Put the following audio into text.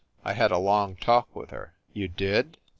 I had a long talk with her." "You did